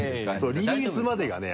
リリースまでがね